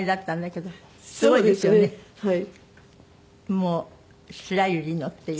もう「白百合の」っていう。